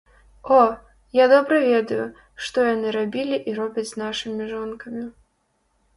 О, я добра ведаю, што яны рабілі і робяць з нашымі жонкамі.